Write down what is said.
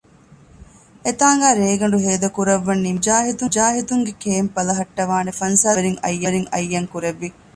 އެތާނގައި ރޭގަނޑު ހޭދަކުރައްވަން ނިންމަވައި މުޖާހިދުންގެ ކޭމްޕް ބަލަހައްޓަވާނެ ފަންސާސް ފާރަވެރިން އައްޔަންކުރެއްވި